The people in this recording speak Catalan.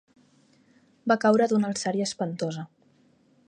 Va caure d'una alçària espantosa.